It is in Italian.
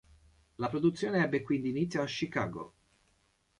La produzione ebbe quindi inizio a Chicago.